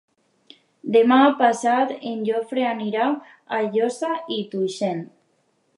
Demà passat en Jofre anirà a Josa i Tuixén.